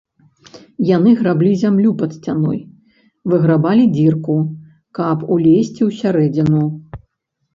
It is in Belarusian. Яны граблі зямлю пад сцяной, выграбалі дзірку, каб улезці ў сярэдзіну.